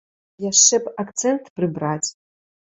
Яшчэ б акцэнт прыбраць.